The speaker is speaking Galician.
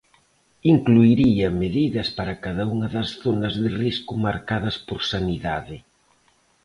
Incluiría medidas para cada unha das zonas de risco marcadas por Sanidade.